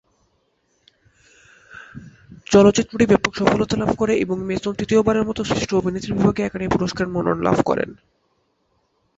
চলচ্চিত্রটি ব্যাপক সফলতা লাভ করে এবং মেসন তৃতীয়বারের মত শ্রেষ্ঠ অভিনেত্রী বিভাগে একাডেমি পুরস্কারের মনোনয়ন লাভ করেন।